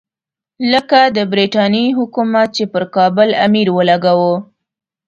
لکه د برټانیې حکومت چې پر کابل امیر ولګول.